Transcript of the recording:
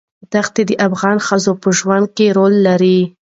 دښتې د افغان ښځو په ژوند کې رول لري.